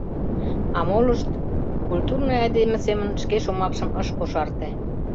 А молышт... — культурный айдеме семын шке шомакшым ыш кошарте.